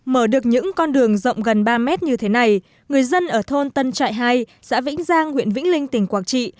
mở được những con đường rộng gần ba mét như thế này người dân ở thôn tân trại hai xã vĩnh giang huyện vĩnh linh tỉnh quảng trị